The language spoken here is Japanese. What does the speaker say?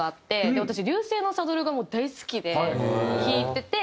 で私『流星のサドル』がもう大好きで聴いてて。